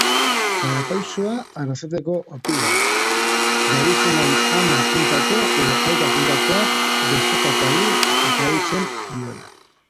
Karapaixua Arrasateko opil bat da: garizuman ama-puntako edo aita-puntakoak besotakoari oparitzen diona.